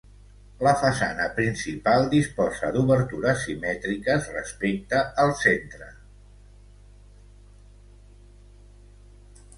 La façana principal disposa d'obertures simètriques respecte al centre.